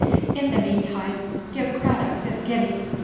In the meantime give Craddock this guinea.'